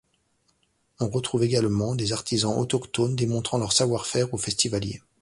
On retrouve également des artisans autochtones démontrant leurs savoir-faire aux festivaliers.